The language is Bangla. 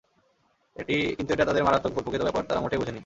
কিন্তু এটা তাদের মারাত্মক ভুল, প্রকৃত ব্যাপার তারা মোটেই বুঝেনি।